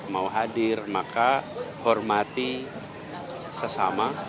mau hadir maka hormati sesama